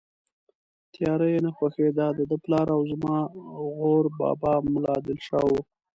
تیاره یې نه خوښېده، دده پلار او زما غور بابا ملا دل شاه و.